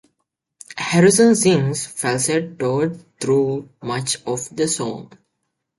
Harrison sings falsetto through much of the song.